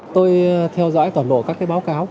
tôi theo dõi toàn bộ các báo cáo